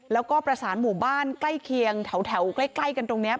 แล้วก็ประสานหมู่บ้านใกล้เคียงแถวใกล้กันตรงนี้